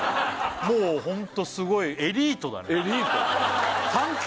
もうホントすごいエリートだねエリート！